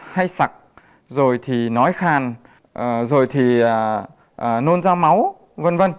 hay sặc rồi thì nói khan rồi thì nôn ra máu v v